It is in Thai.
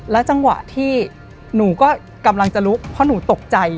จังหวะที่หนูก็กำลังจะลุกเพราะหนูตกใจ